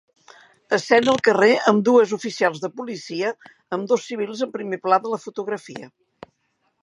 Escena al carrer amb dues oficials de policia amb dos civils en primer pla de la fotografia.